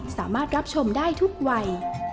สามารถรับชมได้ทุกวัย